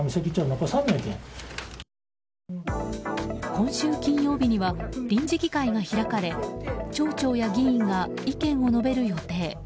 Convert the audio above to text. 今週金曜日には臨時議会が開かれ町長や議員が意見を述べる予定。